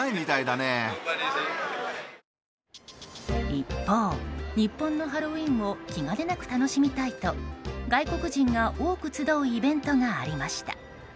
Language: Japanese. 一方、日本のハロウィーンを気兼ねなく楽しみたいと外国人が多く集うイベントがありました。